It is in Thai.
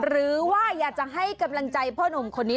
หรือว่าอยากจะให้กำลังใจพ่อหนุ่มคนนี้